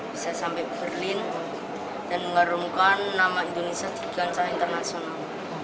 bisa sampai berlin dan mengharumkan nama indonesia di kancah internasional